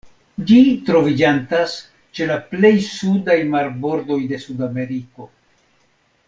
Ĝi troviĝantas ĉe la plej sudaj marbordoj de Sudameriko.